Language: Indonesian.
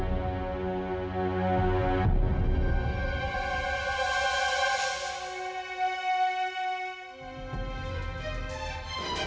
kamu mengerti mila